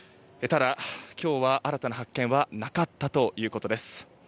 ただ、今日は新たな発見はなかったということです。